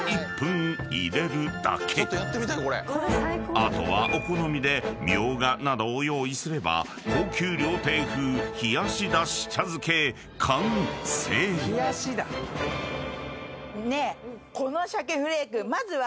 ［あとはお好みでミョウガなどを用意すれば高級料亭風冷やしだし茶漬け完成］ねえ。